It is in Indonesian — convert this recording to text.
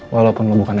walaupun lo bukan elsa